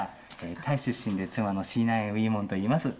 タイ出身で妻のシーナーンエーム・ウィモンといいます。